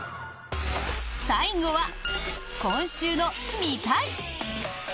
最後は、今週の「見たい！」。